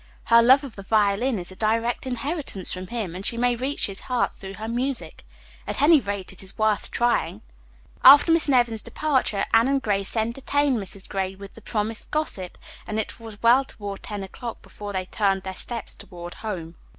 Her love of the violin is a direct inheritance from him, and she may reach his heart through her music. At any rate, it is worth trying." After Miss Nevin's departure Anne and Grace entertained Mrs. Gray with the promised gossip, and it was well toward ten o'clock before they turned their steps toward home.